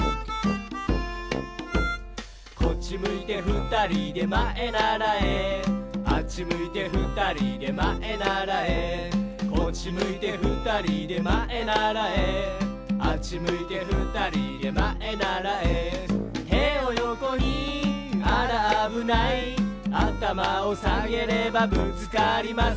「こっちむいてふたりでまえならえ」「あっちむいてふたりでまえならえ」「こっちむいてふたりでまえならえ」「あっちむいてふたりでまえならえ」「てをよこにあらあぶない」「あたまをさげればぶつかりません」